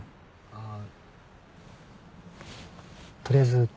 ああ。